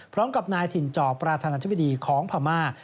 พร้อมกับนายถิ่นจอประธานาธิบดีของพม่า